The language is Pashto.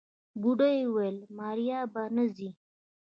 بوډۍ وويل ماريا به نه ځي.